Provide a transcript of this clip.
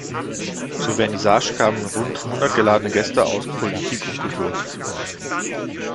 Zur Vernissage kamen rund hundert geladene Gäste aus Politik und Kultur.